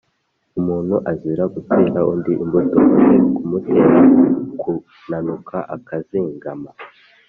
Umuntu azira gutera undi imbuto (semence), ngo ni ukumutera kunanuka akazingama.